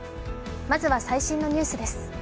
まずは最新のニュースです。